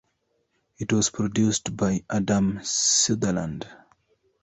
It was produced by Adam Sutherland.